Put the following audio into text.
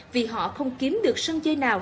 vì họ không kiếm được sân chơi nào